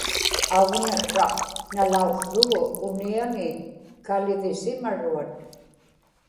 augniqsraq nalaułługu uniaŋi kalivisimaruat